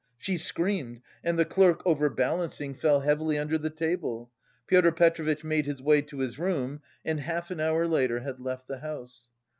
She screamed, and the clerk, overbalancing, fell heavily under the table. Pyotr Petrovitch made his way to his room and half an hour later had left the house.